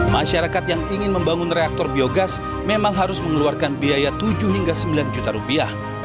masyarakat yang ingin membangun reaktor biogas memang harus mengeluarkan biaya tujuh hingga sembilan juta rupiah